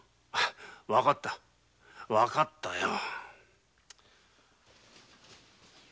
わかったわかったよ。